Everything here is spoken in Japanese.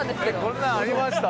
こんなんありました？